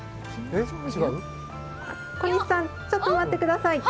小西さん、ちょっと待ってください。